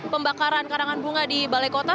pembakaran karangan bunga di balai kota